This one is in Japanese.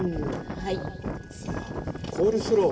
さあコールスロー